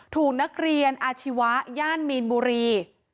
ถูกนักเรียนอาชีวะย่านมีนบุรี